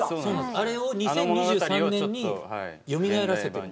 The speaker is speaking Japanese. あれを２０２３年によみがえらせて。